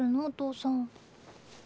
お父さん。